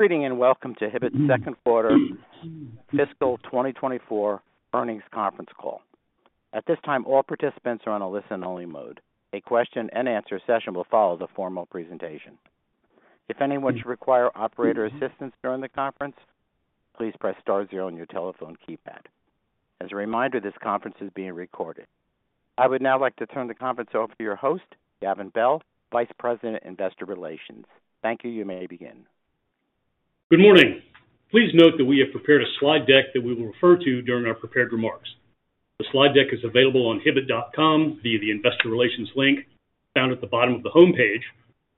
Greetings, and welcome to Hibbett's second quarter fiscal 2024 earnings conference call. At this time, all participants are on a listen-only mode. A question-and-answer session will follow the formal presentation. If anyone should require operator assistance during the conference, please press star zero on your telephone keypad. As a reminder, this conference is being recorded. I would now like to turn the conference over to your host, Gavin Bell, Vice President, Investor Relations. Thank you. You may begin. Good morning. Please note that we have prepared a slide deck that we will refer to during our prepared remarks. The slide deck is available on Hibbett.com via the Investor Relations link, found at the bottom of the homepage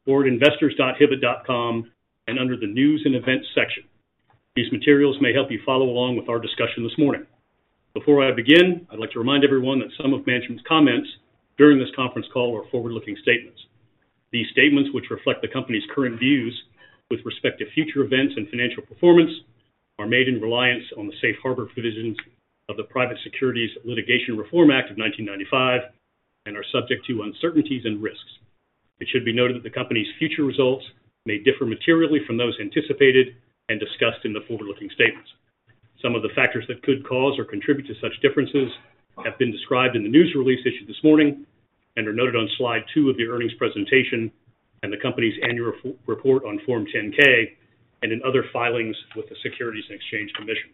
or at investors.Hibbett.com and under the News and Events section. These materials may help you follow along with our discussion this morning. Before I begin, I'd like to remind everyone that some of management's comments during this conference call are forward-looking statements. These statements, which reflect the company's current views with respect to future events and financial performance, are made in reliance on the safe harbor provisions of the Private Securities Litigation Reform Act of 1995 and are subject to uncertainties and risks. It should be noted that the company's future results may differ materially from those anticipated and discussed in the forward-looking statements. Some of the factors that could cause or contribute to such differences have been described in the news release issued this morning and are noted on Slide 2 of the earnings presentation and the company's annual report on Form 10-K and in other filings with the Securities and Exchange Commission.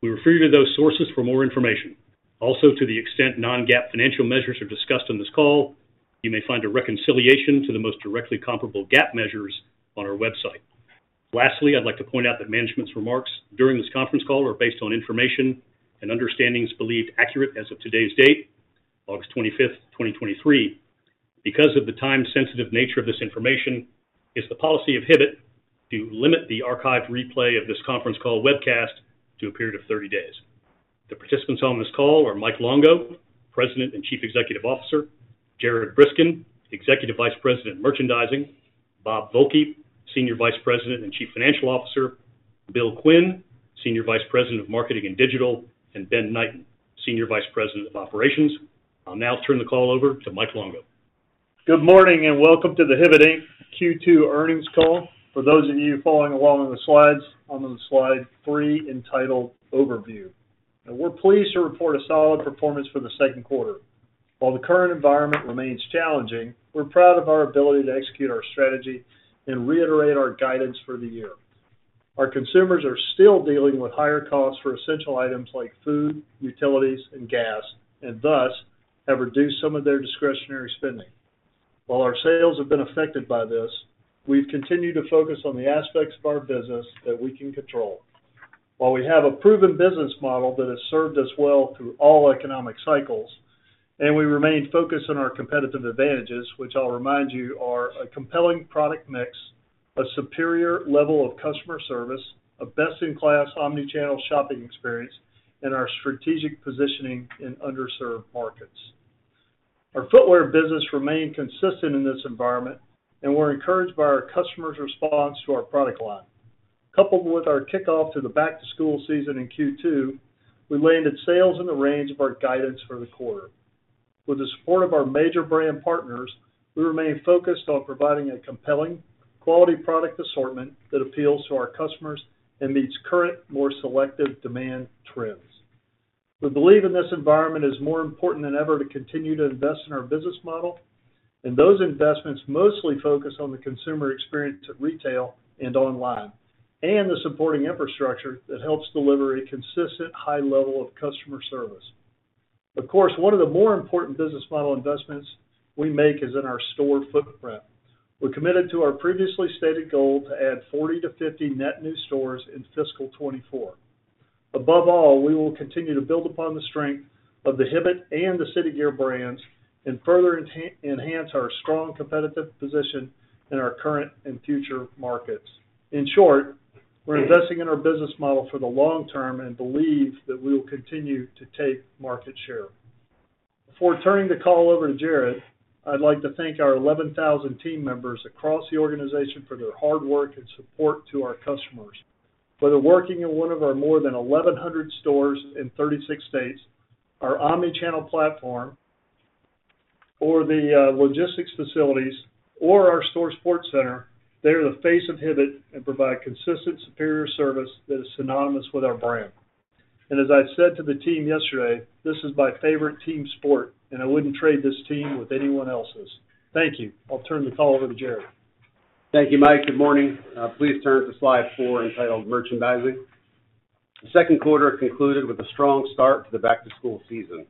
We refer you to those sources for more information. Also, to the extent non-GAAP financial measures are discussed on this call, you may find a reconciliation to the most directly comparable GAAP measures on our website. Lastly, I'd like to point out that management's remarks during this conference call are based on information and understandings believed accurate as of today's date, August 25th, 2023. Because of the time-sensitive nature of this information, it's the policy of Hibbett to limit the archived replay of this conference call webcast to a period of 30 days. The participants on this call are Mike Longo, President and Chief Executive Officer, Jared Briskin, Executive Vice President, Merchandising, Bob Volke, Senior Vice President and Chief Financial Officer, Bill Quinn, Senior Vice President of Marketing and Digital, and Ben Knighten, Senior Vice President of Operations. I'll now turn the call over to Mike Longo. Good morning, and welcome to the Hibbett, Inc. Q2 earnings call. For those of you following along on the slides, I'm on slide three, entitled Overview. We're pleased to report a solid performance for the second quarter. While the current environment remains challenging, we're proud of our ability to execute our strategy and reiterate our guidance for the year. Our consumers are still dealing with higher costs for essential items like food, utilities, and gas, and thus have reduced some of their discretionary spending. While our sales have been affected by this, we've continued to focus on the aspects of our business that we can control. While we have a proven business model that has served us well through all economic cycles, and we remain focused on our competitive advantages, which I'll remind you, are a compelling product mix, a superior level of customer service, a best-in-class Omni-channel shopping experience, and our strategic positioning in underserved markets. Our footwear business remained consistent in this environment, and we're encouraged by our customers' response to our product line. Coupled with our kickoff to the back-to-school season in Q2, we landed sales in the range of our guidance for the quarter. With the support of our major brand partners, we remain focused on providing a compelling quality product assortment that appeals to our customers and meets current, more selective demand trends. We believe in this environment is more important than ever to continue to invest in our business model, and those investments mostly focus on the consumer experience at retail and online, and the supporting infrastructure that helps deliver a consistent high level of customer service. Of course, one of the more important business model investments we make is in our store footprint. We're committed to our previously stated goal to add 40-50 net new stores in fiscal 2024. Above all, we will continue to build upon the strength of the Hibbett and the City Gear brands and further enhance our strong competitive position in our current and future markets. In short, we're investing in our business model for the long term and believe that we will continue to take market share. Before turning the call over to Jared, I'd like to thank our 11,000 team members across the organization for their hard work and support to our customers. Whether working in one of our more than 1,100 stores in 36 states, our omni-channel platform, or the logistics facilities, or our Store Support Center, they are the face of Hibbett and provide consistent, superior service that is synonymous with our brand. And as I said to the team yesterday, this is my favorite team sport, and I wouldn't trade this team with anyone else's. Thank you. I'll turn the call over to Jared. Thank you, Mike. Good morning. Please turn to slide 4, entitled Merchandising. The second quarter concluded with a strong start to the back-to-school season.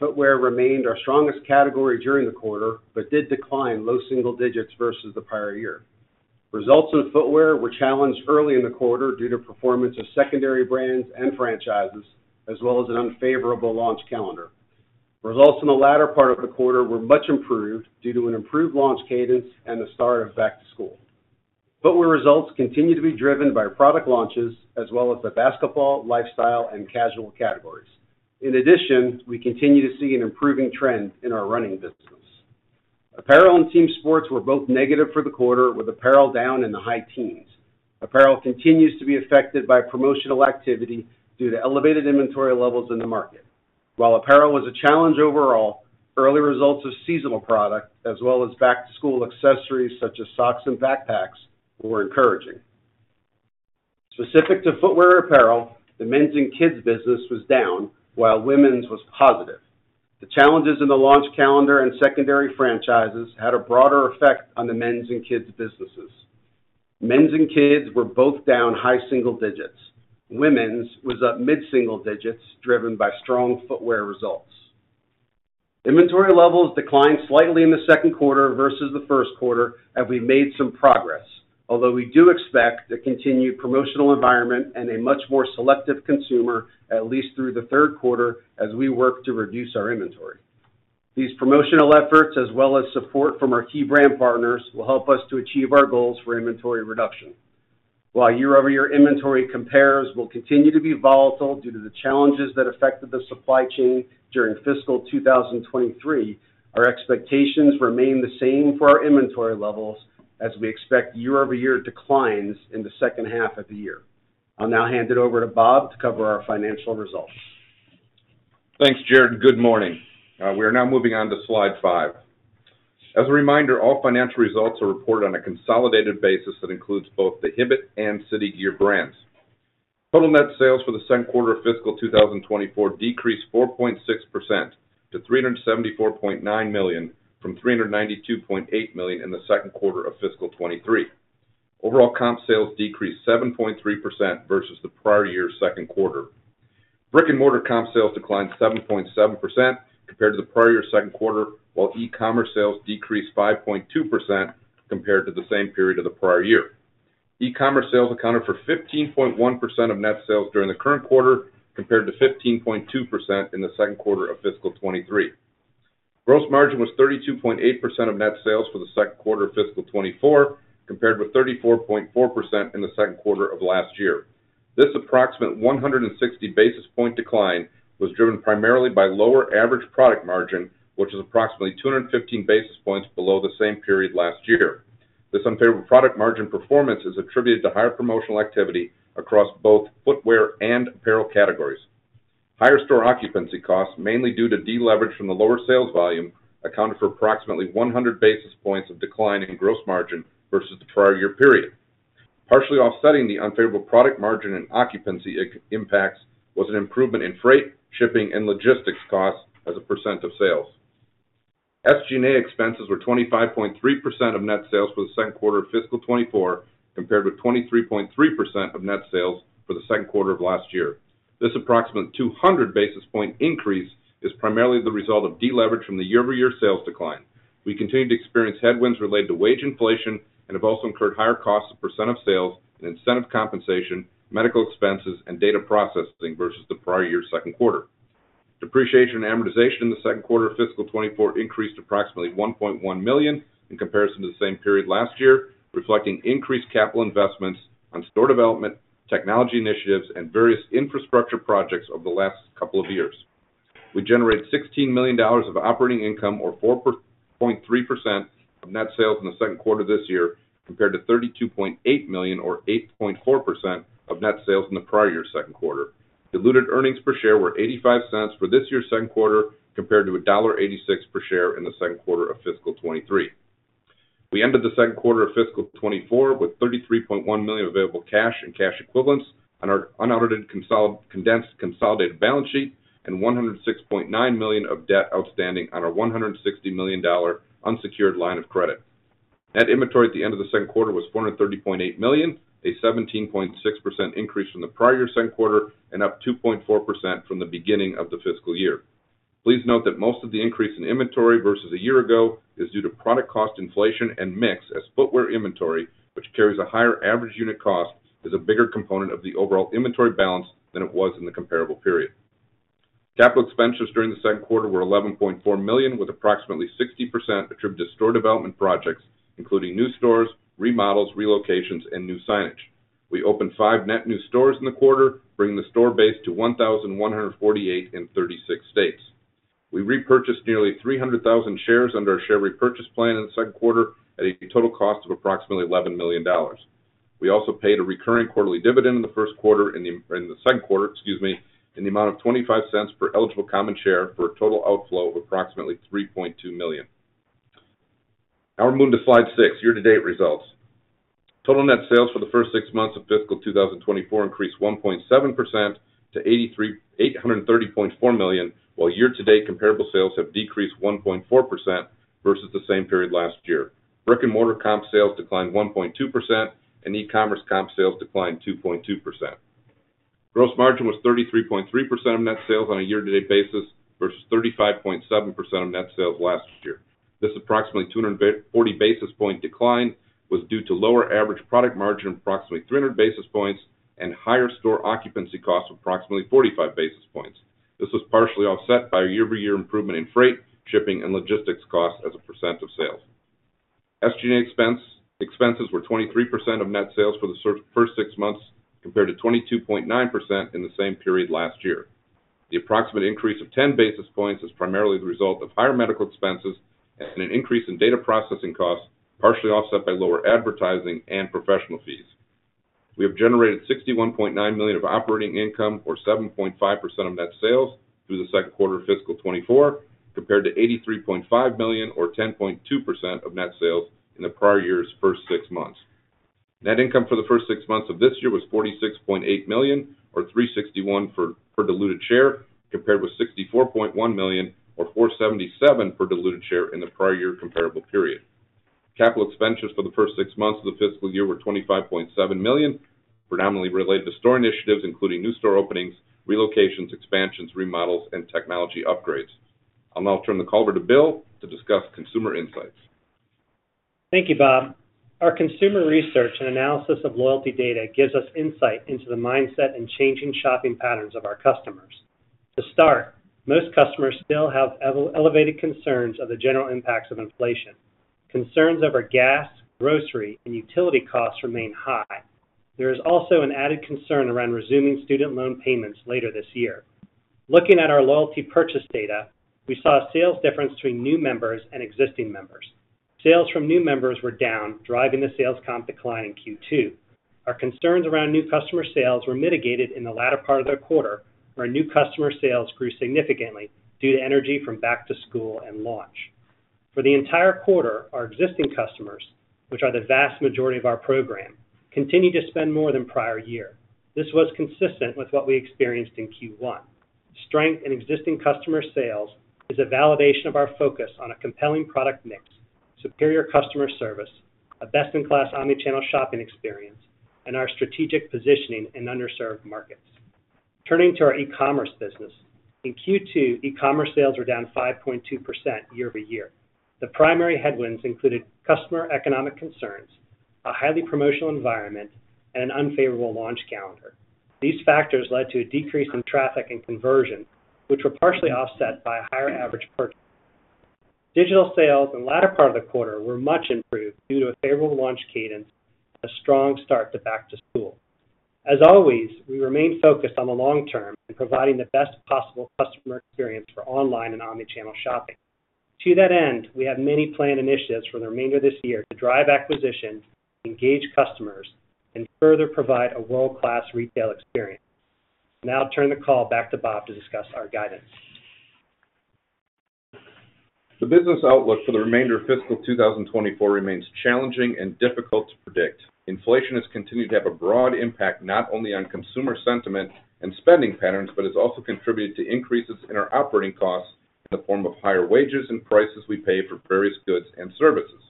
Footwear remained our strongest category during the quarter, but did decline low single digits versus the prior year. Results in footwear were challenged early in the quarter due to performance of secondary brands and franchises, as well as an unfavorable launch calendar. Results in the latter part of the quarter were much improved due to an improved launch cadence and the start of back-to-school. Footwear results continue to be driven by product launches as well as the basketball, lifestyle, and casual categories. In addition, we continue to see an improving trend in our running business. Apparel and team sports were both negative for the quarter, with apparel down in the high teens. Apparel continues to be affected by promotional activity due to elevated inventory levels in the market. While apparel was a challenge overall, early results of seasonal product, as well as back-to-school accessories, such as socks and backpacks, were encouraging. Specific to footwear apparel, the men's and kids' business was down, while women's was positive. The challenges in the launch calendar and secondary franchises had a broader effect on the men's and kids' businesses. Men's and kids were both down high single digits. Women's was up mid single digits, driven by strong footwear results. Inventory levels declined slightly in the second quarter versus the first quarter, and we made some progress. Although we do expect a continued promotional environment and a much more selective consumer, at least through the third quarter, as we work to reduce our inventory. These promotional efforts, as well as support from our key brand partners, will help us to achieve our goals for inventory reduction. While year-over-year inventory compares will continue to be volatile due to the challenges that affected the supply chain during fiscal 2023, our expectations remain the same for our inventory levels as we expect year-over-year declines in the second half of the year. I'll now hand it over to Bob to cover our financial results. Thanks, Jared. Good morning. We are now moving on to Slide 5. As a reminder, all financial results are reported on a consolidated basis that includes both the Hibbett and City Gear brands. Total net sales for the second quarter of fiscal 2024 decreased 4.6% to $374.9 million from $392.8 million in the second quarter of fiscal 2023. Overall, comp sales decreased 7.3% versus the prior year's second quarter. Brick-and-mortar comp sales declined 7.7% compared to the prior year's second quarter, while e-commerce sales decreased 5.2% compared to the same period of the prior year. E-commerce sales accounted for 15.1% of net sales during the current quarter, compared to 15.2% in the second quarter of fiscal 2023. Gross margin was 32.8% of net sales for the second quarter of fiscal 2024, compared with 34.4% in the second quarter of last year. This approximate 160 basis points decline was driven primarily by lower average product margin, which is approximately 215 basis points below the same period last year. This unfavorable product margin performance is attributed to higher promotional activity across both footwear and apparel categories. Higher store occupancy costs, mainly due to deleverage from the lower sales volume, accounted for approximately 100 basis points of decline in gross margin versus the prior year period. Partially offsetting the unfavorable product margin and occupancy expense impacts was an improvement in freight, shipping, and logistics costs as a % of sales. SG&A expenses were 25.3% of net sales for the second quarter of fiscal 2024, compared with 23.3% of net sales for the second quarter of last year. This approximate 200 basis point increase is primarily the result of deleverage from the year-over-year sales decline. We continue to experience headwinds related to wage inflation and have also incurred higher costs of percent of sales and incentive compensation, medical expenses, and data processing versus the prior year's second quarter. Depreciation and amortization in the second quarter of fiscal 2024 increased approximately $1.1 million in comparison to the same period last year, reflecting increased capital investments on store development, technology initiatives, and various infrastructure projects over the last couple of years. We generated $16 million of operating income, or 4.3% of net sales in the second quarter this year, compared to $32.8 million or 8.4% of net sales in the prior year's second quarter. Diluted earnings per share were $0.85 for this year's second quarter, compared to $1.86 per share in the second quarter of fiscal 2023. We ended the second quarter of fiscal 2024 with $33.1 million of available cash and cash equivalents on our unaudited, condensed consolidated balance sheet and $106.9 million of debt outstanding on our $160 million unsecured line of credit. Net inventory at the end of the second quarter was $430.8 million, a 17.6% increase from the prior year's second quarter and up 2.4% from the beginning of the fiscal year. Please note that most of the increase in inventory versus a year ago is due to product cost inflation and mix as footwear inventory, which carries a higher average unit cost, is a bigger component of the overall inventory balance than it was in the comparable period. Capital expenditures during the second quarter were $11.4 million, with approximately 60% attributed to store development projects, including new stores, remodels, relocations, and new signage. We opened 5 net new stores in the quarter, bringing the store base to 1,148 in 36 states. We repurchased nearly 300,000 shares under our share repurchase plan in the second quarter at a total cost of approximately $11 million. We also paid a recurring quarterly dividend in the first quarter, in the, in the second quarter, excuse me, in the amount of $0.25 per eligible common share, for a total outflow of approximately $3.2 million. Now we're moving to slide 6, year-to-date results. Total net sales for the first six months of fiscal 2024 increased 1.7% to $830.4 million, while year-to-date comparable sales have decreased 1.4% versus the same period last year. Brick-and-mortar comp sales declined 1.2%, and e-commerce comp sales declined 2.2%. Gross margin was 33.3% of net sales on a year-to-date basis versus 35.7% of net sales last year. This approximately 240 basis point decline was due to lower average product margin, approximately 300 basis points, and higher store occupancy costs of approximately 45 basis points. This was partially offset by a year-over-year improvement in freight, shipping, and logistics costs as a % of sales. SG&A expenses were 23% of net sales for the first six months, compared to 22.9% in the same period last year. The approximate increase of 10 basis points is primarily the result of higher medical expenses and an increase in data processing costs, partially offset by lower advertising and professional fees.... We have generated $61.9 million of operating income, or 7.5% of net sales through the second quarter of fiscal 2024, compared to $83.5 million, or 10.2% of net sales in the prior year's first six months. Net income for the first six months of this year was $46.8 million, or $3.61 per diluted share, compared with $64.1 million, or $4.77 per diluted share in the prior year comparable period. Capital expenditures for the first six months of the fiscal year were $25.7 million, predominantly related to store initiatives, including new store openings, relocations, expansions, remodels, and technology upgrades. I'll now turn the call over to Bill to discuss consumer insights. Thank you, Bob. Our consumer research and analysis of loyalty data gives us insight into the mindset and changing shopping patterns of our customers. To start, most customers still have elevated concerns of the general impacts of inflation. Concerns over gas, grocery, and utility costs remain high. There is also an added concern around resuming student loan payments later this year. Looking at our loyalty purchase data, we saw a sales difference between new members and existing members. Sales from new members were down, driving the sales comp decline in Q2. Our concerns around new customer sales were mitigated in the latter part of the quarter, where new customer sales grew significantly due to energy from back to school and launch. For the entire quarter, our existing customers, which are the vast majority of our program, continued to spend more than prior year. This was consistent with what we experienced in Q1. Strength in existing customer sales is a validation of our focus on a compelling product mix, superior customer service, a best-in-class Omni-channel shopping experience, and our strategic positioning in underserved markets. Turning to our E-commerce business. In Q2, E-commerce sales were down 5.2% year-over-year. The primary headwinds included customer economic concerns, a highly promotional environment, and an unfavorable launch calendar. These factors led to a decrease in traffic and conversion, which were partially offset by a higher average purchase. Digital sales in the latter part of the quarter were much improved due to a favorable launch cadence, a strong start to back to school. As always, we remain focused on the long term and providing the best possible customer experience for online and Omni-channel shopping. To that end, we have many planned initiatives for the remainder of this year to drive acquisition, engage customers, and further provide a world-class retail experience. Now I'll turn the call back to Bob to discuss our guidance. The business outlook for the remainder of fiscal 2024 remains challenging and difficult to predict. Inflation has continued to have a broad impact, not only on consumer sentiment and spending patterns, but has also contributed to increases in our operating costs in the form of higher wages and prices we pay for various goods and services.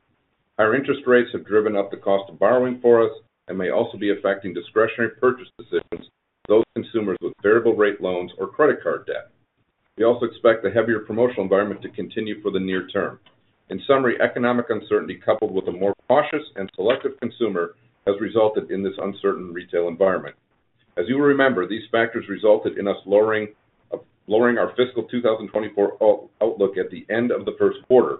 Higher interest rates have driven up the cost of borrowing for us and may also be affecting discretionary purchase decisions, those consumers with variable rate loans or credit card debt. We also expect the heavier promotional environment to continue for the near term. In summary, economic uncertainty, coupled with a more cautious and selective consumer, has resulted in this uncertain retail environment. As you remember, these factors resulted in us lowering, lowering our fiscal 2024 outlook at the end of the first quarter.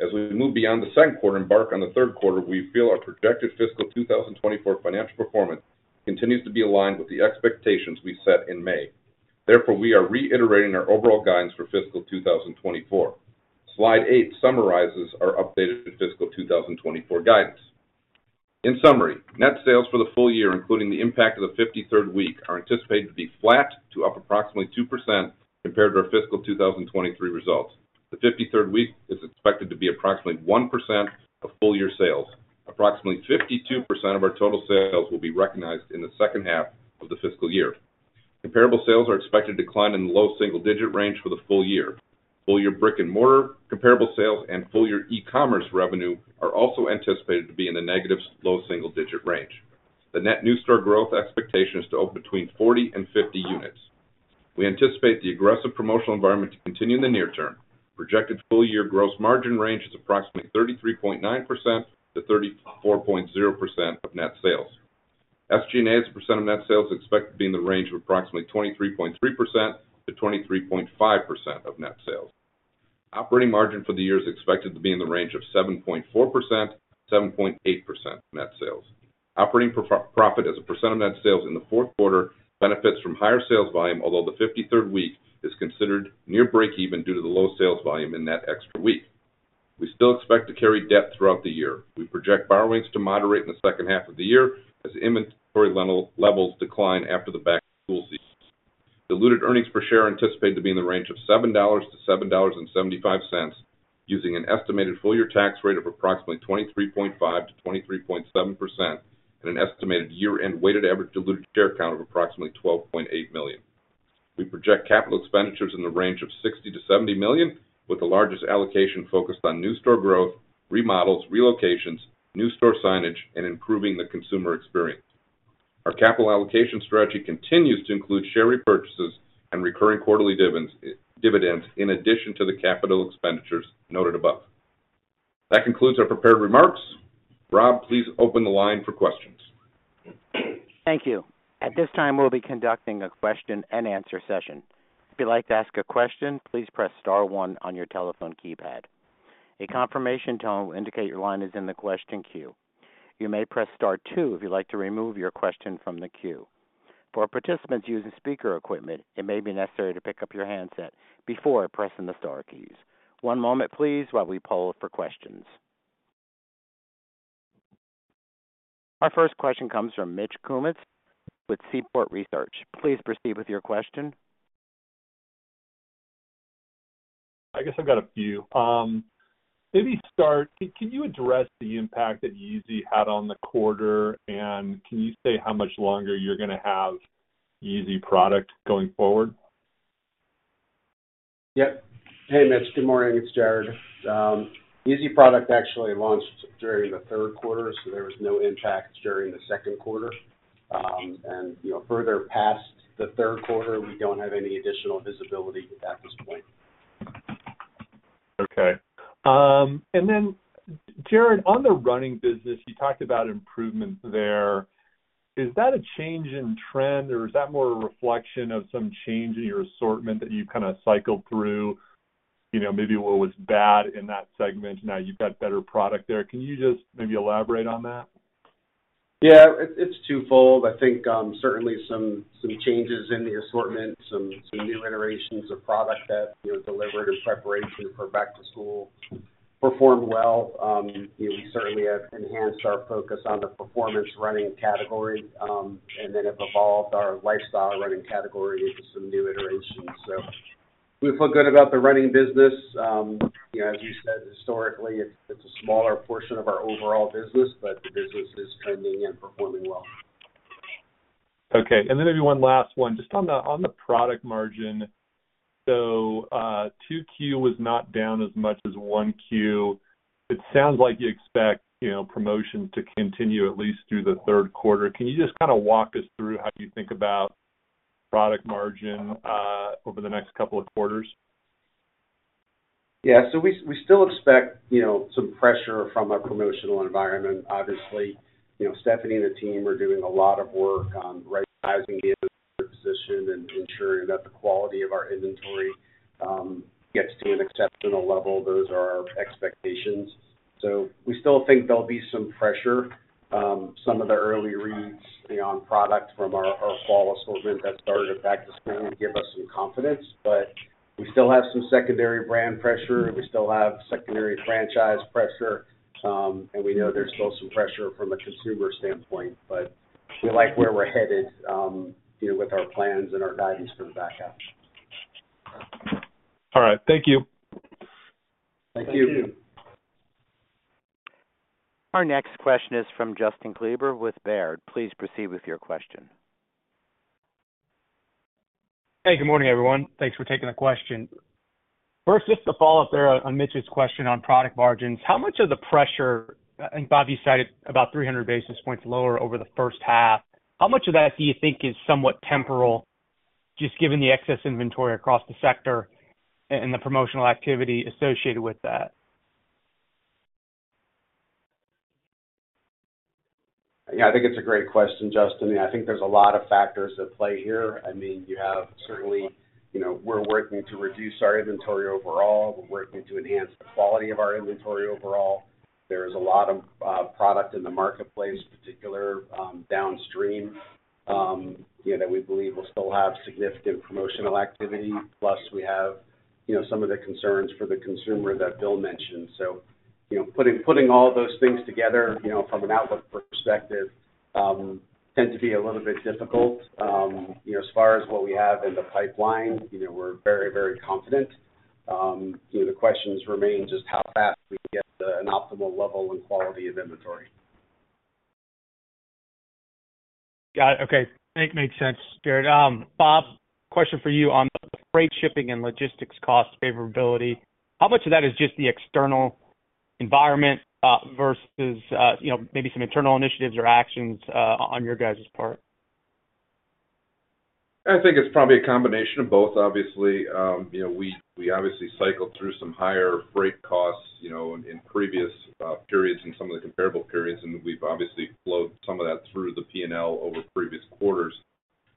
As we move beyond the second quarter, embark on the third quarter, we feel our projected fiscal 2024 financial performance continues to be aligned with the expectations we set in May. Therefore, we are reiterating our overall guidance for fiscal 2024. Slide 8 summarizes our updated fiscal 2024 guidance. In summary, net sales for the full year, including the impact of the 53rd week, are anticipated to be flat to up approximately 2% compared to our fiscal 2023 results. The 53rd week is expected to be approximately 1% of full-year sales. Approximately 52% of our total sales will be recognized in the second half of the fiscal year. Comparable sales are expected to decline in the low single-digit range for the full year. Full-year brick-and-mortar comparable sales and full-year e-commerce revenue are also anticipated to be in the negative low single-digit range. The net new store growth expectation is to open between 40 and 50 units. We anticipate the aggressive promotional environment to continue in the near term. Projected full-year gross margin range is approximately 33.9%-34.0% of net sales. SG&A as a percent of net sales is expected to be in the range of approximately 23.3%-23.5% of net sales. Operating margin for the year is expected to be in the range of 7.4%-7.8% net sales. Operating profit as a percent of net sales in the fourth quarter benefits from higher sales volume, although the fifty-third week is considered near breakeven due to the low sales volume in that extra week. We still expect to carry debt throughout the year. We project borrowings to moderate in the second half of the year as inventory levels decline after the back-to-school season. Diluted earnings per share anticipated to be in the range of $7-$7.75, using an estimated full-year tax rate of approximately 23.5%-23.7%, and an estimated year-end weighted average diluted share count of approximately 12.8 million. We project capital expenditures in the range of $60 million-$70 million, with the largest allocation focused on new store growth, remodels, relocations, new store signage, and improving the consumer experience. Our capital allocation strategy continues to include share repurchases and recurring quarterly dividends in addition to the capital expenditures noted above. That concludes our prepared remarks. Rob, please open the line for questions. Thank you. At this time, we'll be conducting a question and answer session. If you'd like to ask a question, please press star one on your telephone keypad. A confirmation tone will indicate your line is in the question queue. You may press star two if you'd like to remove your question from the queue.... For participants using speaker equipment, it may be necessary to pick up your handset before pressing the star keys. One moment please, while we poll for questions. Our first question comes from Mitch Kummetz with Seaport Research. Please proceed with your question. I guess I've got a few. Maybe start, can you address the impact that YEEZY had on the quarter, and can you say how much longer you're gonna have YEEZY product going forward? Yep. Hey, Mitch. Good morning, it's Jared. YEEZY product actually launched during the third quarter, so there was no impact during the second quarter. And, you know, further past the third quarter, we don't have any additional visibility at this point. Okay. And then, Jared, on the running business, you talked about improvements there. Is that a change in trend, or is that more a reflection of some change in your assortment that you've kind of cycled through? You know, maybe what was bad in that segment, now you've got better product there. Can you just maybe elaborate on that? Yeah, it's twofold. I think certainly some changes in the assortment, some new iterations of product that, you know, delivered in preparation for back to school performed well. We certainly have enhanced our focus on the performance running category, and then have evolved our lifestyle running category into some new iterations. So we feel good about the running business. You know, as you said, historically, it's a smaller portion of our overall business, but the business is trending and performing well. Okay, and then maybe one last one. Just on the product margin. So, 2Q was not down as much as 1Q. It sounds like you expect, you know, promotion to continue at least through the third quarter. Can you just kinda walk us through how you think about product margin over the next couple of quarters? Yeah. So we still expect, you know, some pressure from a promotional environment. Obviously, you know, Stephanie and the team are doing a lot of work on right sizing the position and ensuring that the quality of our inventory gets to an exceptional level. Those are our expectations. So we still think there'll be some pressure. Some of the early reads, you know, on product from our fall assortment that started at back to school, give us some confidence, but we still have some secondary brand pressure. We still have secondary franchise pressure, and we know there's still some pressure from a consumer standpoint, but we like where we're headed, you know, with our plans and our guidance for the back half. All right. Thank you. Thank you. Our next question is from Justin Kleber with Baird. Please proceed with your question. Hey, good morning, everyone. Thanks for taking the question. First, just to follow up there on Mitch's question on product margins, how much of the pressure, and Bob, you cited about 300 basis points lower over the first half. How much of that do you think is somewhat temporal, just given the excess inventory across the sector and the promotional activity associated with that? Yeah, I think it's a great question, Justin. I think there's a lot of factors at play here. I mean, you have certainly, you know, we're working to reduce our inventory overall. We're working to enhance the quality of our inventory overall. There's a lot of product in the marketplace, particularly downstream, you know, that we believe will still have significant promotional activity. Plus, we have, you know, some of the concerns for the consumer that Bill mentioned. So, you know, putting all those things together, you know, from an outlook perspective, tends to be a little bit difficult. You know, as far as what we have in the pipeline, you know, we're very, very confident. You know, the questions remain just how fast we can get an optimal level and quality of inventory. Got it. Okay. Makes sense, Jared. Bob, question for you on the freight shipping and logistics cost favorability. How much of that is just the external environment versus you know, maybe some internal initiatives or actions on your guys' part? I think it's probably a combination of both, obviously. You know, we obviously cycled through some higher freight costs, you know, in previous periods and some of the comparable periods, and we've obviously flowed some of that through the P&L over previous quarters.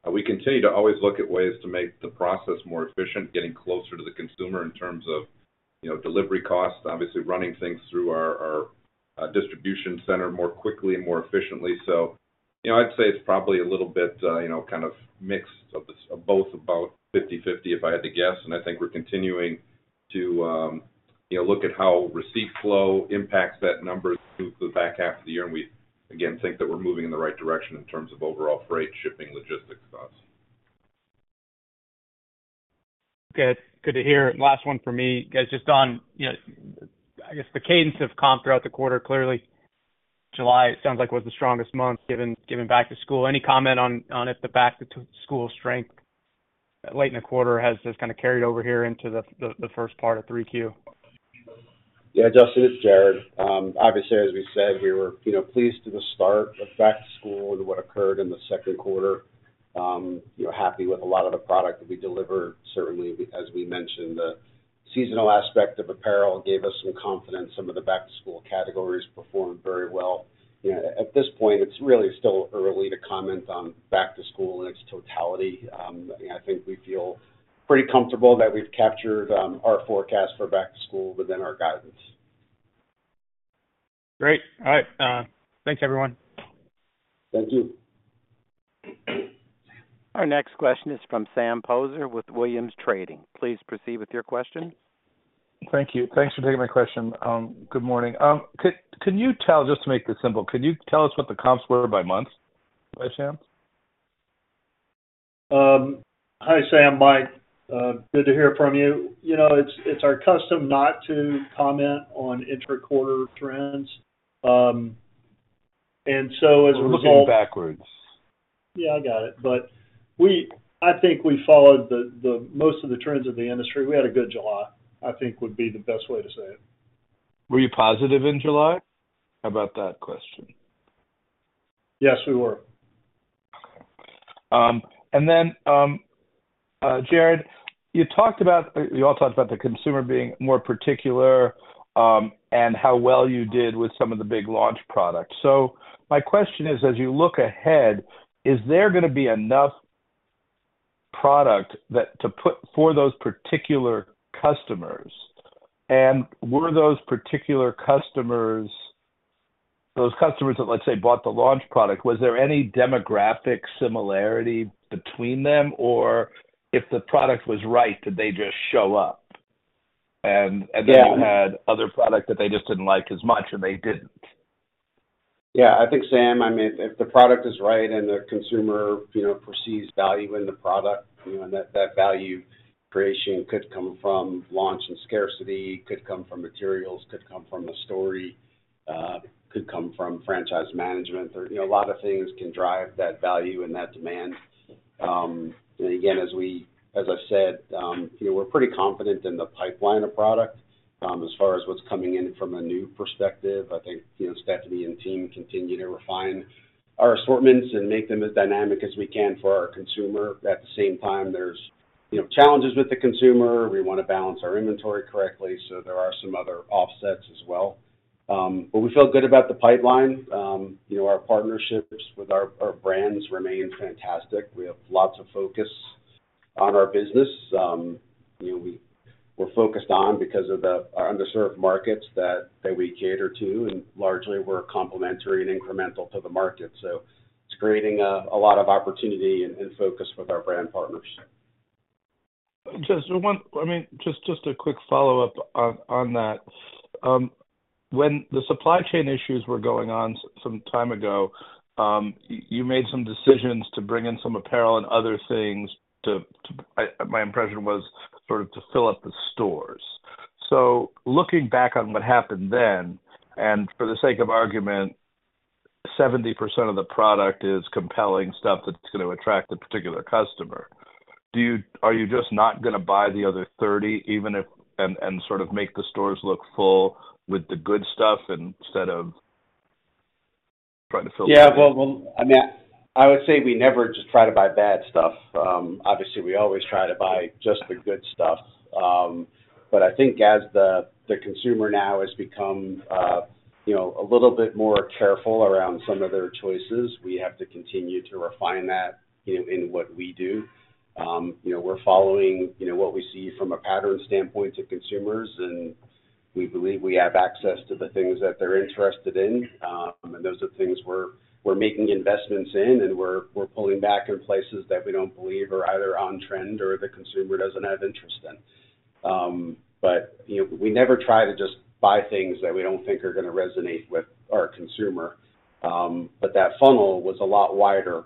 We continue to always look at ways to make the process more efficient, getting closer to the consumer in terms of, you know, delivery costs, obviously running things through our distribution center more quickly and more efficiently. So, you know, I'd say it's probably a little bit, you know, kind of mixed of this of both, about 50/50, if I had to guess. And I think we're continuing to, you know, look at how receipt flow impacts that number through the back half of the year. We, again, think that we're moving in the right direction in terms of overall freight shipping, logistics costs. Okay. Good to hear. Last one for me, guys, just on, you know, I guess, the cadence of comp throughout the quarter. Clearly, July, it sounds like, was the strongest month, given back to school. Any comment on if the back to school strength late in the quarter has just kind of carried over here into the first part of 3Q? Yeah, Justin, it's Jared. Obviously, as we said, we were, you know, pleased with the start of back to school and what occurred in the second quarter. You know, happy with a lot of the product that we delivered. Certainly, as we mentioned, the seasonal aspect of apparel gave us some confidence. Some of the back-to-school categories performed very well. You know, at this point, it's really still early to comment on back to school in its totality. I think we feel pretty comfortable that we've captured our forecast for back to school within our guidance.... Great. All right, thanks everyone. Thank you. Our next question is from Sam Poser with Williams Trading. Please proceed with your question. Thank you. Thanks for taking my question. Good morning. Just to make this simple, could you tell us what the comps were by month, by chance? Hi, Sam, Mike. Good to hear from you. You know, it's our custom not to comment on inter-quarter trends. And so as a result- I'm looking backwards. Yeah, I got it. But we, I think we followed the most of the trends of the industry. We had a good July, I think would be the best way to say it. Were you positive in July? How about that question? Yes, we were. And then, Jared, you talked about... You all talked about the consumer being more particular, and how well you did with some of the big launch products. So my question is, as you look ahead, is there gonna be enough product that to put for those particular customers? And were those particular customers, those customers that, let's say, bought the launch product, was there any demographic similarity between them? Or if the product was right, did they just show up? And, and- Yeah. Then you had other product that they just didn't like as much, and they didn't. Yeah, I think, Sam, I mean, if the product is right and the consumer, you know, perceives value in the product, you know, and that, that value creation could come from launch and scarcity, could come from materials, could come from a story, could come from franchise management. There, you know, a lot of things can drive that value and that demand. And again, as I said, you know, we're pretty confident in the pipeline of product, as far as what's coming in from a new perspective. I think, you know, Stephanie and team continue to refine our assortments and make them as dynamic as we can for our consumer. At the same time, there's, you know, challenges with the consumer. We want to balance our inventory correctly, so there are some other offsets as well. But we feel good about the pipeline. You know, our partnerships with our, our brands remain fantastic. We have lots of focus on our business. You know, we're focused on because of the, our underserved markets that, that we cater to, and largely we're complementary and incremental to the market. So it's creating a, a lot of opportunity and, and focus with our brand partners. Just one... I mean, just a quick follow-up on that. When the supply chain issues were going on some time ago, you made some decisions to bring in some apparel and other things to... I, my impression was sort of to fill up the stores. So looking back on what happened then, and for the sake of argument, 70% of the product is compelling stuff that's gonna attract a particular customer. Do you-- are you just not gonna buy the other 30, even if, and sort of make the stores look full with the good stuff instead of trying to fill it in? Yeah, well, I mean, I would say we never just try to buy bad stuff. Obviously, we always try to buy just the good stuff. But I think as the consumer now has become, you know, a little bit more careful around some of their choices, we have to continue to refine that in what we do. You know, we're following, you know, what we see from a pattern standpoint to consumers, and we believe we have access to the things that they're interested in. And those are things we're making investments in, and we're pulling back in places that we don't believe are either on trend or the consumer doesn't have interest in. But, you know, we never try to just buy things that we don't think are gonna resonate with our consumer. But that funnel was a lot wider,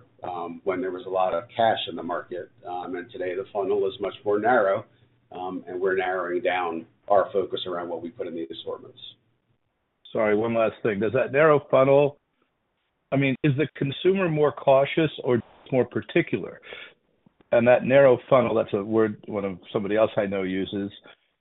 when there was a lot of cash in the market. And today the funnel is much more narrow, and we're narrowing down our focus around what we put in the assortments. Sorry, one last thing. Does that narrow funnel, I mean, is the consumer more cautious or more particular? And that narrow funnel, that's a word one of somebody else I know uses,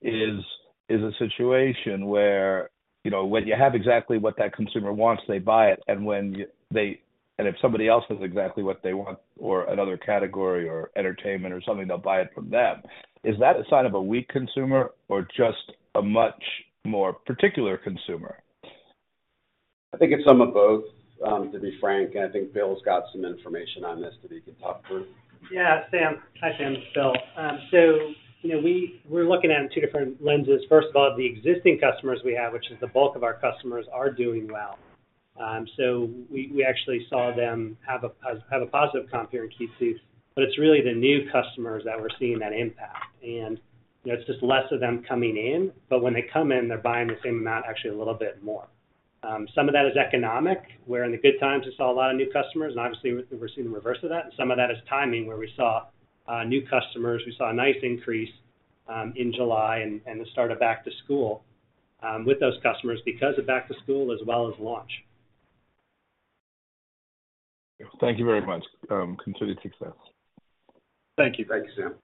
is a situation where, you know, when you have exactly what that consumer wants, they buy it, and when you, they... And if somebody else knows exactly what they want or another category or entertainment or something, they'll buy it from them. Is that a sign of a weak consumer or just a much more particular consumer? I think it's some of both, to be frank, and I think Bill's got some information on this that he can talk through. Yeah, Sam. Hi, Sam. It's Bill. So you know, we're looking at two different lenses. First of all, the existing customers we have, which is the bulk of our customers, are doing well. So we actually saw them have a positive comp here in Q2, but it's really the new customers that we're seeing that impact. And, you know, it's just less of them coming in, but when they come in, they're buying the same amount, actually a little bit more. Some of that is economic, where in the good times we saw a lot of new customers, and obviously we're seeing the reverse of that. And some of that is timing, where we saw new customers. We saw a nice increase in July and the start of back to school with those customers because of back to school as well as launch. Thank you very much. Continued success. Thank you. Thank you, Sam.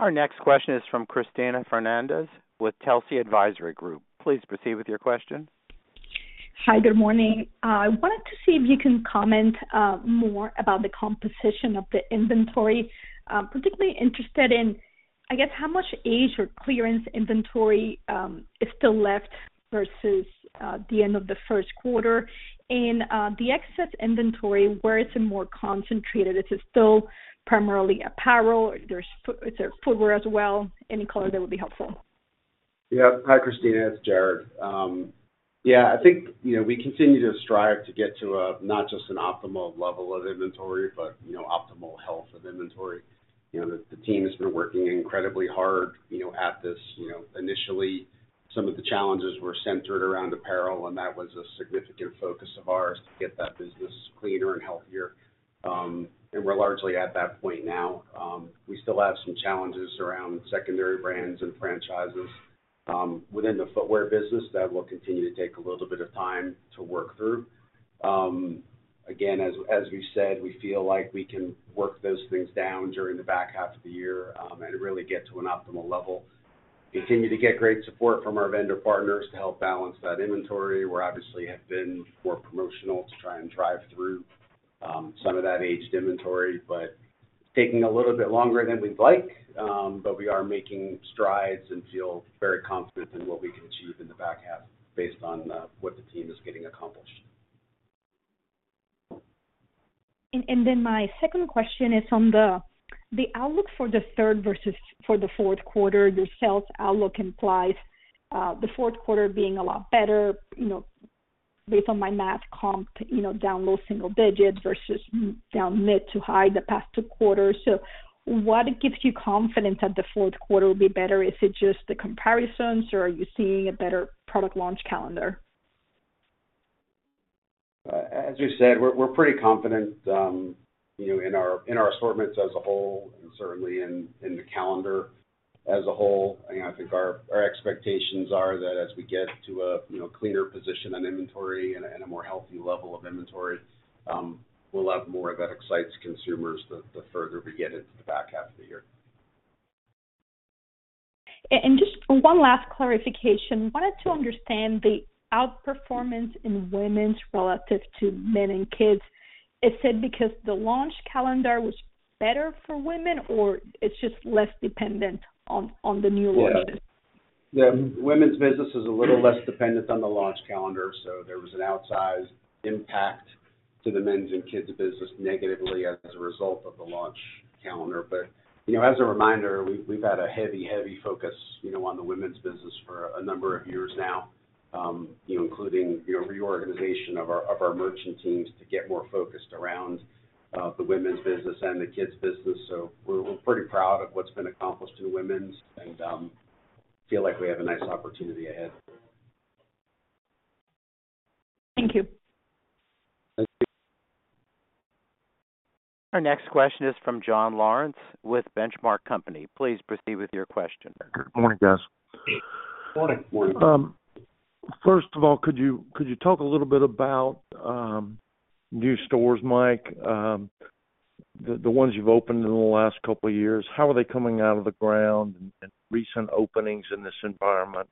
Our next question is from Cristina Fernandez with Telsey Advisory Group. Please proceed with your question. Hi, good morning. I wanted to see if you can comment more about the composition of the inventory. Particularly interested in, I guess, how much age or clearance inventory is still left versus the end of the first quarter. The excess inventory, where is it more concentrated? Is it still primarily apparel, or there's foot- is there footwear as well? Any color that would be helpful. ... Yeah. Hi, Cristina, it's Jared. Yeah, I think, you know, we continue to strive to get to a, not just an optimal level of inventory, but, you know, optimal health of inventory. You know, the team has been working incredibly hard, you know, at this. You know, initially, some of the challenges were centered around apparel, and that was a significant focus of ours to get that business cleaner and healthier. And we're largely at that point now. We still have some challenges around secondary brands and franchises within the footwear business. That will continue to take a little bit of time to work through. Again, as we've said, we feel like we can work those things down during the back half of the year, and really get to an optimal level. Continue to get great support from our vendor partners to help balance that inventory, where obviously have been more promotional to try and drive through some of that aged inventory, but it's taking a little bit longer than we'd like, but we are making strides and feel very confident in what we can achieve in the back half based on what the team is getting accomplished. And then my second question is on the outlook for the third versus the fourth quarter. The sales outlook implies the fourth quarter being a lot better. You know, based on my math, comp, you know, down low single digits versus down mid to high the past two quarters. So what gives you confidence that the fourth quarter will be better? Is it just the comparisons, or are you seeing a better product launch calendar? As we said, we're pretty confident, you know, in our assortments as a whole and certainly in the calendar as a whole. I think our expectations are that as we get to a cleaner position on inventory and a more healthy level of inventory, we'll have more that excites consumers the further we get into the back half of the year. Just one last clarification. Wanted to understand the outperformance in women's relative to men and kids. Is it because the launch calendar was better for women, or it's just less dependent on the new launches? Yeah. The women's business is a little less dependent on the launch calendar, so there was an outsized impact to the men's and kids business negatively as a result of the launch calendar. But, you know, as a reminder, we've had a heavy, heavy focus, you know, on the women's business for a number of years now, you know, including, you know, reorganization of our, of our merchant teams to get more focused around, the women's business and the kids business. So we're, we're pretty proud of what's been accomplished in women's and, feel like we have a nice opportunity ahead. Thank you. Thank you. Our next question is from John Lawrence with Benchmark Company. Please proceed with your question. Good morning, guys. Morning. First of all, could you talk a little bit about new stores, Mike? The ones you've opened in the last couple of years, how are they coming out of the ground and recent openings in this environment,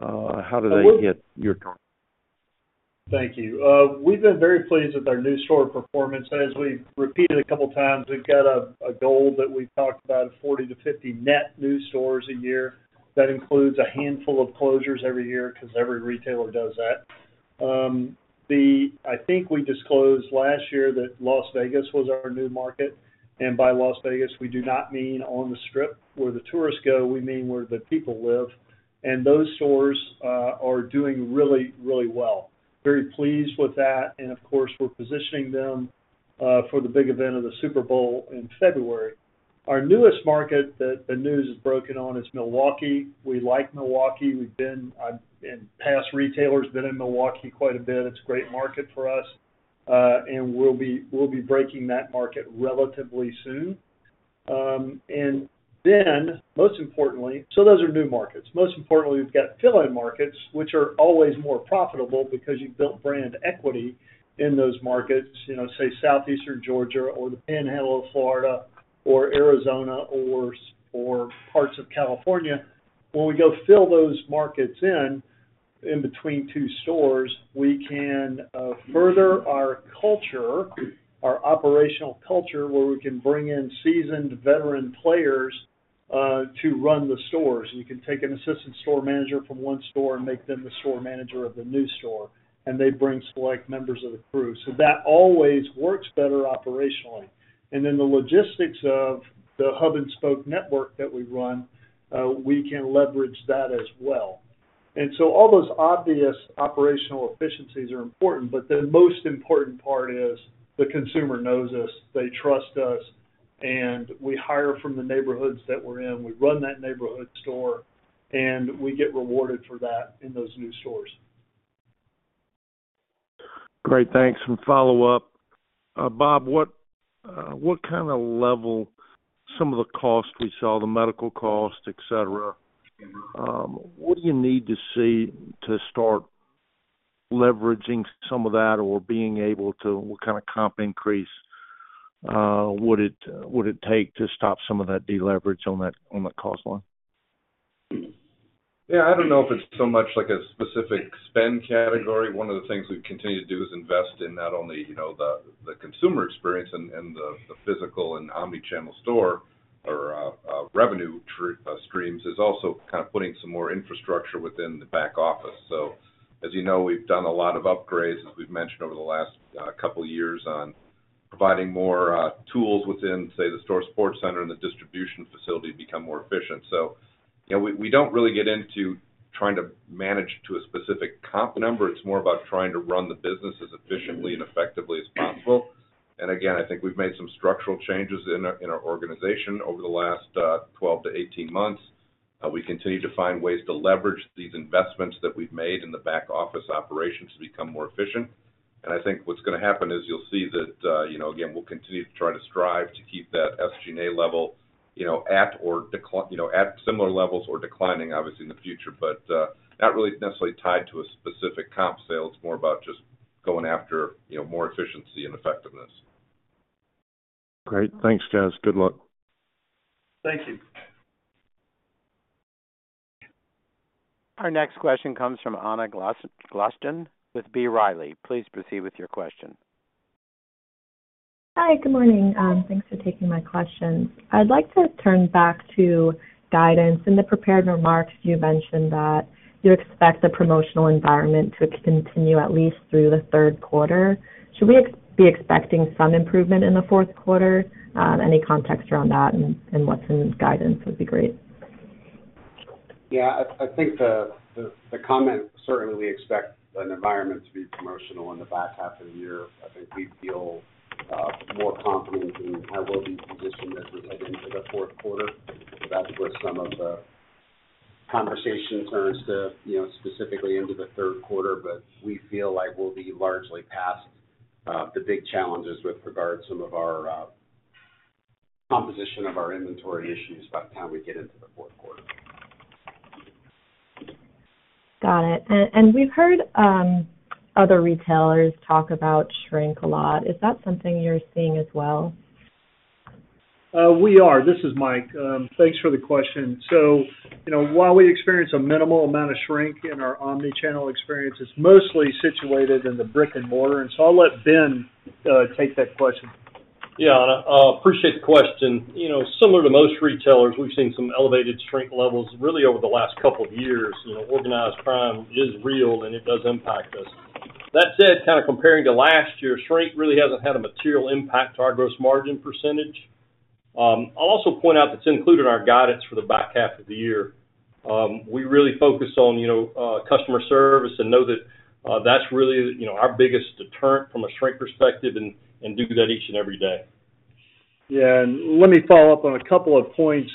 how do they get your? Thank you. We've been very pleased with our new store performance. As we've repeated a couple of times, we've got a goal that we've talked about, 40-50 net new stores a year. That includes a handful of closures every year because every retailer does that. I think we disclosed last year that Las Vegas was our new market, and by Las Vegas, we do not mean on the Strip where the tourists go, we mean where the people live. And those stores are doing really, really well. Very pleased with that, and of course, we're positioning them for the big event of the Super Bowl in February. Our newest market that the news has broken on is Milwaukee. We like Milwaukee. We've been in past, retailers have been in Milwaukee quite a bit. It's a great market for us, and we'll be, we'll be breaking that market relatively soon. And then, most importantly... So those are new markets. Most importantly, we've got fill-in markets, which are always more profitable because you've built brand equity in those markets, you know, say, Southeastern Georgia or the Panhandle of Florida or Arizona or parts of California. When we go fill those markets in, in between two stores, we can, further our culture, our operational culture, where we can bring in seasoned veteran players, to run the stores. We can take an assistant store manager from one store and make them the store manager of the new store, and they bring select members of the crew. So that always works better operationally. And then the logistics of the hub-and-spoke network that we run, we can leverage that as well. And so all those obvious operational efficiencies are important, but the most important part is the consumer knows us, they trust us, and we hire from the neighborhoods that we're in. We run that neighborhood store, and we get rewarded for that in those new stores. Great, thanks. Follow-up. Bob, what kind of level some of the costs we saw, the medical costs, et cetera, what do you need to see to start leveraging some of that or being able to, what kind of comp increase would it take to stop some of that deleverage on that cost line? Yeah, I don't know if it's so much like a specific spend category. One of the things we've continued to do is invest in not only, you know, the consumer experience and the physical and omni-channel store or revenue streams, is also kind of putting some more infrastructure within the back office. So as you know, we've done a lot of upgrades, as we've mentioned over the last couple of years on-... providing more tools within, say, the Store Support Center and the distribution facility to become more efficient. So, you know, we don't really get into trying to manage to a specific comp number. It's more about trying to run the business as efficiently and effectively as possible. And again, I think we've made some structural changes in our organization over the last 12-18 months. We continue to find ways to leverage these investments that we've made in the back-office operations to become more efficient. And I think what's gonna happen is you'll see that, you know, again, we'll continue to try to strive to keep that SG&A level, you know, at or, you know, at similar levels or declining, obviously, in the future. But, not really necessarily tied to a specific comp sale. It's more about just going after, you know, more efficiency and effectiveness. Great. Thanks, guys. Good luck. Thank you. Our next question comes from Anna Glaessgen with B. Riley. Please proceed with your question. Hi, good morning. Thanks for taking my question. I'd like to turn back to guidance. In the prepared remarks, you mentioned that you expect the promotional environment to continue at least through the third quarter. Should we be expecting some improvement in the fourth quarter? Any context around that and what's in guidance would be great. Yeah, I think the comment, certainly, we expect an environment to be promotional in the back half of the year. I think we feel more confident in how we'll be positioned as we head into the fourth quarter. That's where some of the conversation turns to, you know, specifically into the third quarter, but we feel like we'll be largely past the big challenges with regard some of our composition of our inventory issues by the time we get into the fourth quarter. Got it. And we've heard other retailers talk about shrink a lot. Is that something you're seeing as well? This is Mike. Thanks for the question. So, you know, while we experience a minimal amount of shrink in our Omni-channel experience, it's mostly situated in the brick-and-mortar, and so I'll let Ben take that question. Yeah, and I appreciate the question. You know, similar to most retailers, we've seen some elevated shrink levels really over the last couple of years. You know, organized crime is real, and it does impact us. That said, kind of comparing to last year, shrink really hasn't had a material impact to our gross margin percentage. I'll also point out that's included in our guidance for the back half of the year. We really focus on, you know, customer service and know that that's really, you know, our biggest deterrent from a shrink perspective and do that each and every day. Yeah, let me follow up on a couple of points.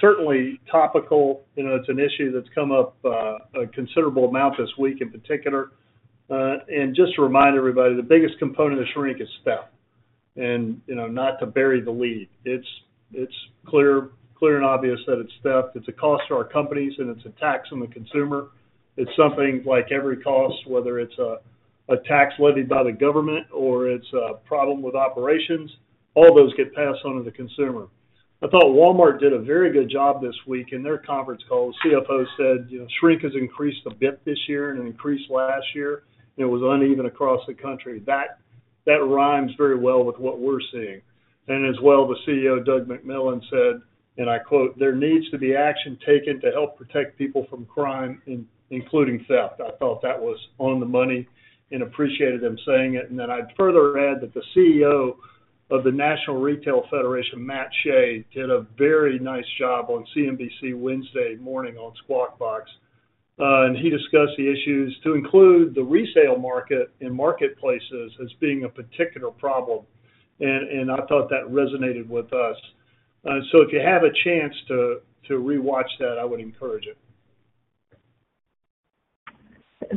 Certainly, topical, you know, it's an issue that's come up, a considerable amount this week in particular. And just to remind everybody, the biggest component of shrink is theft. And, you know, not to bury the lead, it's clear and obvious that it's theft. It's a cost to our companies, and it's a tax on the consumer. It's something like every cost, whether it's a tax levied by the government or it's a problem with operations, all those get passed on to the consumer. I thought Walmart did a very good job this week in their conference call. The CFO said, "You know, shrink has increased a bit this year and increased last year, and it was uneven across the country." That rhymes very well with what we're seeing. As well, the CEO, Doug McMillon, said, and I quote, "There needs to be action taken to help protect people from crime, including theft." I thought that was on the money and appreciated them saying it. Then I'd further add that the CEO of the National Retail Federation, Matt Shay, did a very nice job on CNBC Wednesday morning on Squawk Box. And he discussed the issues to include the resale market and marketplaces as being a particular problem, and I thought that resonated with us. So if you have a chance to rewatch that, I would encourage it.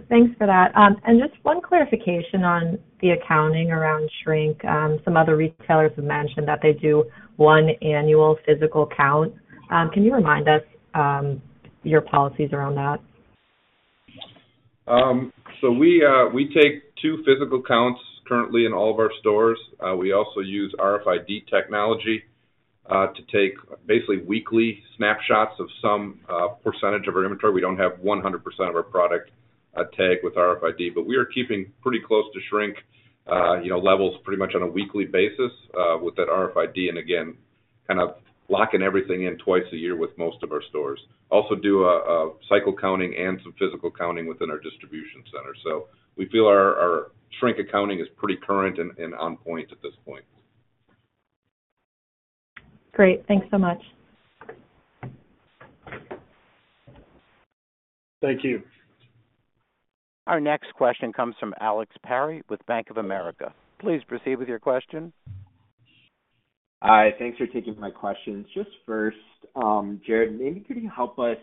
Thanks for that. Just one clarification on the accounting around shrink. Some other retailers have mentioned that they do one annual physical count. Can you remind us, your policies around that? So we take two physical counts currently in all of our stores. We also use RFID technology to take basically weekly snapshots of some percentage of our inventory. We don't have 100% of our product tagged with RFID, but we are keeping pretty close to shrink, you know, levels pretty much on a weekly basis with that RFID, and again, kind of locking everything in twice a year with most of our stores. Also do a cycle counting and some physical counting within our distribution center. So we feel our shrink accounting is pretty current and on point at this point. Great. Thanks so much. Thank you. Our next question comes from Alex Perry with Bank of America. Please proceed with your question. Hi, thanks for taking my questions. Just first, Jared, maybe could you help us?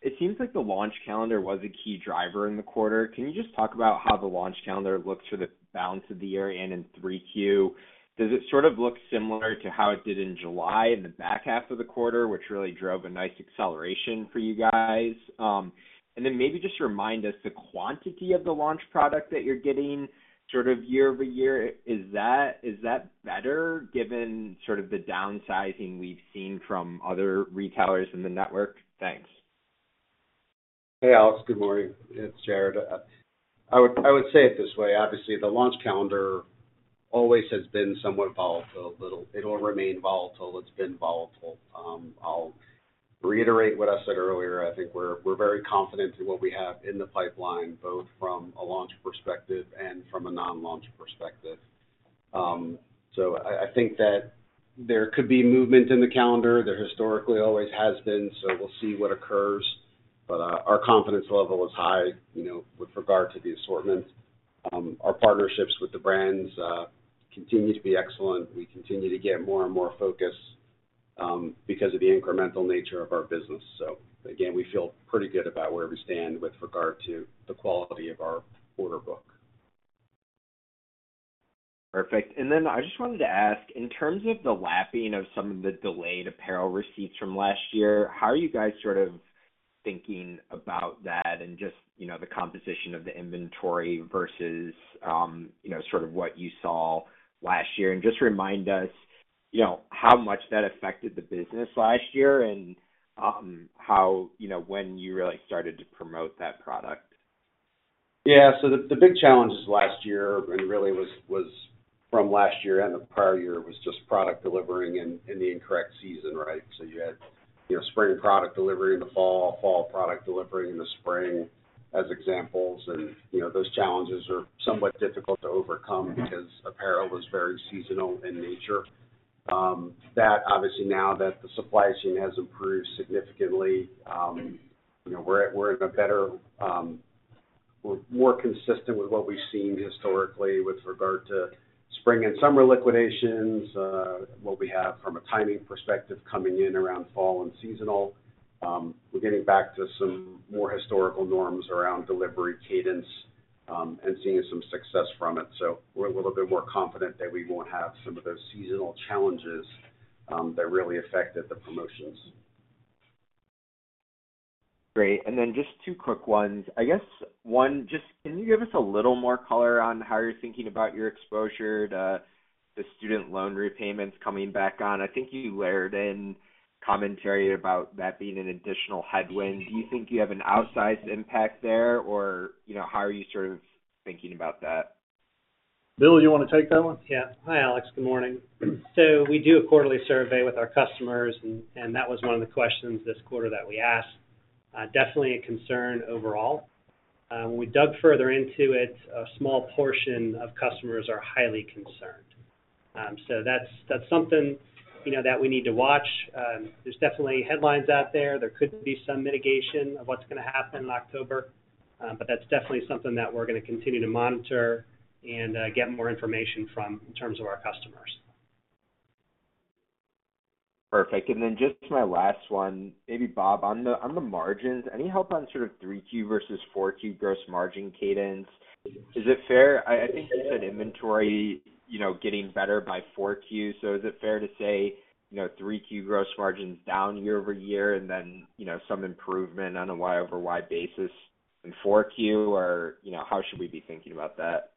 It seems like the launch calendar was a key driver in the quarter. Can you just talk about how the launch calendar looks for the balance of the year and in 3Q? Does it sort of look similar to how it did in July, in the back half of the quarter, which really drove a nice acceleration for you guys? And then maybe just remind us the quantity of the launch product that you're getting sort of year over year. Is that, is that better given sort of the downsizing we've seen from other retailers in the network? Thanks. Hey, Alex, good morning. It's Jared. I would say it this way, obviously, the launch calendar always has been somewhat volatile. It'll remain volatile. It's been volatile. I'll reiterate what I said earlier, I think we're very confident in what we have in the pipeline, both from a launch perspective and from a non-launch perspective. So I think that there could be movement in the calendar. There historically always has been, so we'll see what occurs. But our confidence level is high, you know, with regard to the assortment. Our partnerships with the brands continue to be excellent. We continue to get more and more focus because of the incremental nature of our business. So again, we feel pretty good about where we stand with regard to the quality of our order book. Perfect. And then I just wanted to ask, in terms of the lapping of some of the delayed apparel receipts from last year, how are you guys sort of thinking about that and just, you know, the composition of the inventory versus, you know, sort of what you saw last year? And just remind us, you know, how much that affected the business last year and, how, you know, when you really started to promote that product. Yeah. So the big challenges last year, and really was from last year and the prior year, was just product delivering in the incorrect season, right? So you had, you know, spring product delivery in the fall, fall product delivery in the spring, as examples. And, you know, those challenges are somewhat difficult to overcome because apparel is very seasonal in nature. That obviously, now that the supply chain has improved significantly, you know, we're in a better... we're more consistent with what we've seen historically with regard to spring and summer liquidations, what we have from a timing perspective coming in around fall and seasonal. We're getting back to some more historical norms around delivery cadence, and seeing some success from it. So we're a little bit more confident that we won't have some of those seasonal challenges that really affected the promotions. Great. And then just two quick ones. I guess, one, just, can you give us a little more color on how you're thinking about your exposure to the student loan repayments coming back on? I think you layered in commentary about that being an additional headwind. Do you think you have an outsized impact there, or, you know, how are you sort of thinking about that? Bill, you want to take that one? Yeah. Hi, Alex. Good morning. So we do a quarterly survey with our customers, and that was one of the questions this quarter that we asked. Definitely a concern overall. When we dug further into it, a small portion of customers are highly concerned. So that's something, you know, that we need to watch. There's definitely headlines out there. There could be some mitigation of what's gonna happen in October, but that's definitely something that we're gonna continue to monitor and get more information from in terms of our customers. Perfect. And then just my last one, maybe, Bob, on the margins, any help on sort of 3Q versus 4Q gross margin cadence? Is it fair, I think you said inventory, you know, getting better by 4Q. So is it fair to say, you know, 3Q gross margins down year-over-year and then, you know, some improvement on a year-over-year basis in 4Q, or, you know, how should we be thinking about that?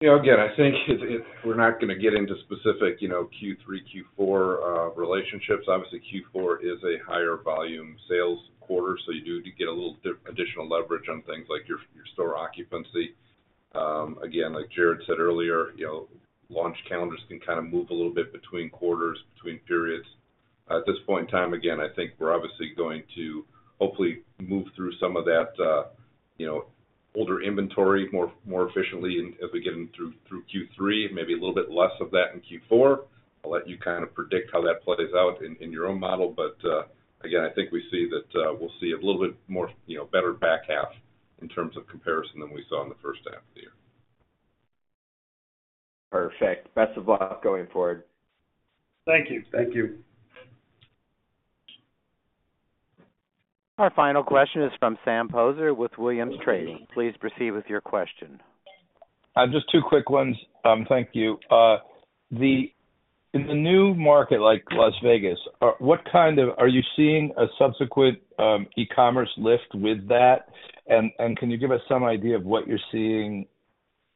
You know, again, I think we're not gonna get into specific, you know, Q3, Q4 relationships. Obviously, Q4 is a higher volume sales quarter, so you do get a little additional leverage on things like your store occupancy. Again, like Jared said earlier, you know, launch calendars can kind of move a little bit between quarters, between periods. At this point in time, again, I think we're obviously going to hopefully move through some of that, you know, older inventory more efficiently and as we get in through Q3, maybe a little bit less of that in Q4. I'll let you kind of predict how that plays out in your own model, but again, I think we see that we'll see a little bit more, you know, better back half in terms of comparison than we saw in the first half of the year. Perfect. Best of luck going forward. Thank you. Thank you. Our final question is from Sam Poser with Williams Trading. Please proceed with your question. Just two quick ones. Thank you. In the new market like Las Vegas, what kind of subsequent e-commerce lift are you seeing with that? And can you give us some idea of what you're seeing,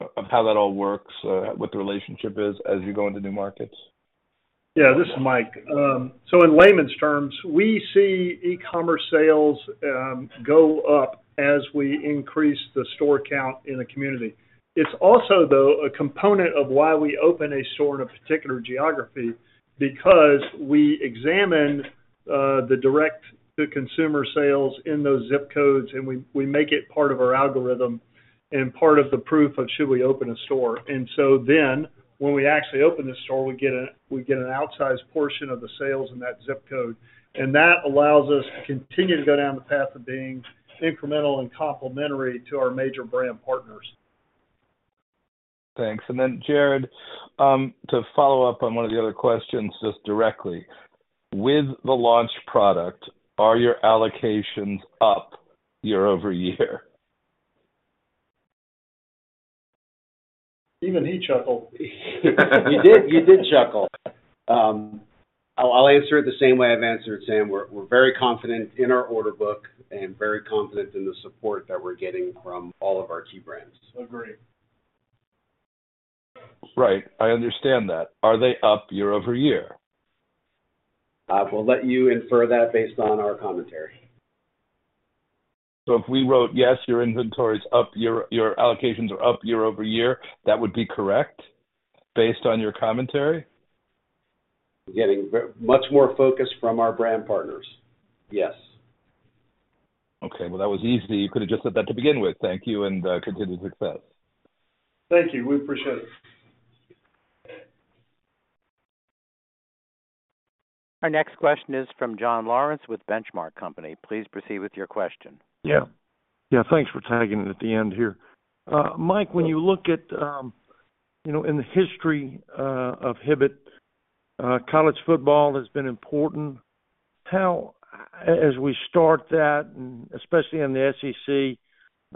of how that all works, what the relationship is as you go into new markets? Yeah, this is Mike. So in layman's terms, we see e-commerce sales go up as we increase the store count in the community. It's also, though, a component of why we open a store in a particular geography, because we examine the direct-to-consumer sales in those zip codes, and we make it part of our algorithm and part of the proof of should we open a store. And so then, when we actually open the store, we get an outsized portion of the sales in that zip code, and that allows us to continue to go down the path of being incremental and complementary to our major brand partners. Thanks. Then, Jared, to follow up on one of the other questions just directly, with the launch product, are your allocations up year-over-year? Even he chuckled. You did, you did chuckle. I'll answer it the same way I've answered, Sam. We're very confident in our order book and very confident in the support that we're getting from all of our key brands. Agree. Right, I understand that. Are they up year-over-year? I will let you infer that based on our commentary. ...So if we wrote, yes, your inventory is up, your allocations are up year-over-year, that would be correct, based on your commentary? We're getting very much more focus from our brand partners. Yes. Okay, well, that was easy. You could have just said that to begin with. Thank you, and continued success. Thank you. We appreciate it. Our next question is from John Lawrence with Benchmark Company. Please proceed with your question. Yeah. Yeah, thanks for tagging it at the end here. Mike, when you look at, you know, in the history of Hibbett, college football has been important. How as we start that, and especially in the SEC,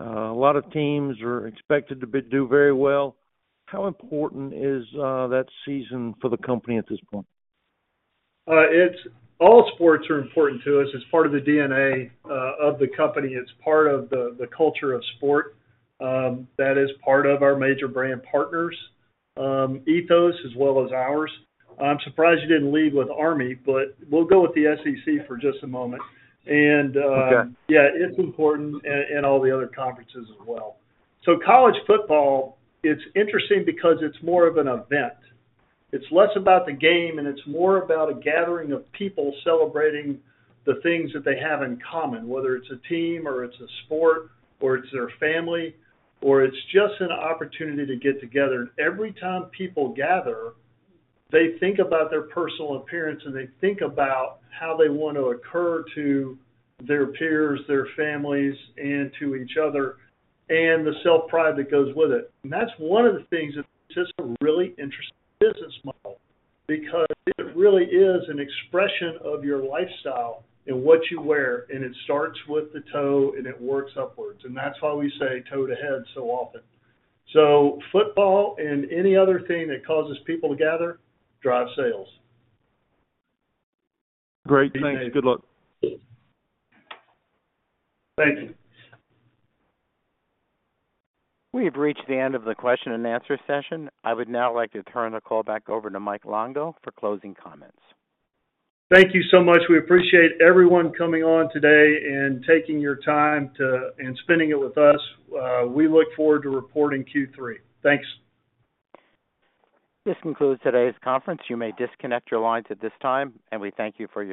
a lot of teams are expected to do very well. How important is that season for the company at this point? It's all sports are important to us. It's part of the DNA of the company. It's part of the culture of sport. That is part of our major brand partners' ethos, as well as ours. I'm surprised you didn't lead with Army, but we'll go with the SEC for just a moment. Okay. Yeah, it's important and all the other conferences as well. So college football, it's interesting because it's more of an event. It's less about the game, and it's more about a gathering of people celebrating the things that they have in common, whether it's a team or it's a sport or it's their family, or it's just an opportunity to get together. And every time people gather, they think about their personal appearance, and they think about how they want to occur to their peers, their families, and to each other, and the self-pride that goes with it. And that's one of the things that's just a really interesting business model, because it really is an expression of your lifestyle and what you wear, and it starts with the toe and it works upwards. And that's why we say toe to head so often. So football and any other thing that causes people to gather, drive sales. Great. Thanks. Good luck. Thank you. We have reached the end of the question and answer session. I would now like to turn the call back over to Mike Longo for closing comments. Thank you so much. We appreciate everyone coming on today and taking your time to... and spending it with us. We look forward to reporting Q3. Thanks. This concludes today's conference. You may disconnect your lines at this time, and we thank you for your participation.